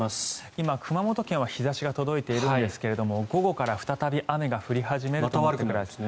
今、熊本県は日差しが届いているんですが午後から再び雨が降り始めるということです。